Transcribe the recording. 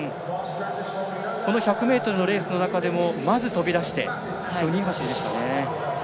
この１００ｍのレースの中でもまず飛び出して非常にいい走りでした。